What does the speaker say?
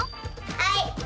はい！